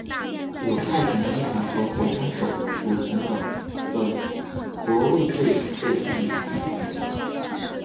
由派遣的猎人和火枪手组成的一个国卫队被建立起来。